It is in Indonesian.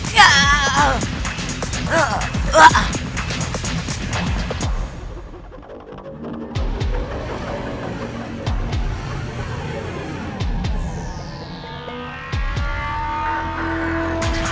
jangan kabur kamu silman musuh